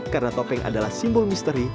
karena topeng adalah simbol misteri